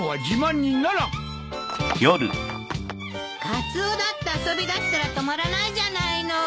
カツオだって遊びだしたら止まらないじゃないの。